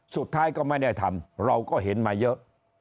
สุดท้ายก็ไม่ได้ทำเราก็เห็นมาเยอะ